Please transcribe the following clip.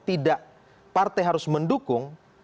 tidak partai harus mendukung